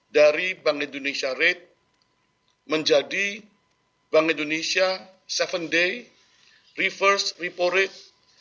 dari bank indonesia rate menjadi bank indonesia tujuh day reverse repo rate